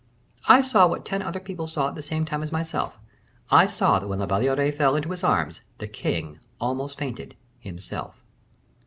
"I saw what ten other people saw at the same time as myself; I saw that when La Valliere fell into his arms, the king almost fainted himself."